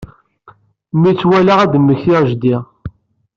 Mi t-walaɣ, ad d-mmektiɣ jeddi